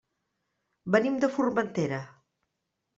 Venim de Formentera.